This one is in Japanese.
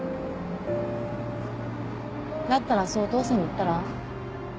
だったらそうお父さんに言ったら？